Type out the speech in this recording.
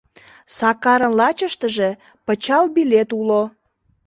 Сакарын лачыштыже пычал билет уло.